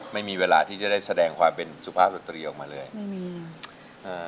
ไม่มีเวลาที่จะได้แสดงความเป็นสุภาพสตรีออกมาเลยไม่มีเอ่อ